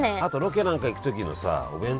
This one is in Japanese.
あとロケなんか行くときのさお